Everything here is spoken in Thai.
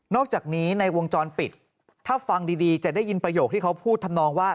อกจากนี้ในวงจรปิดถ้าฟังดีจะได้ยินประโยคที่เขาพูดทำนองว่า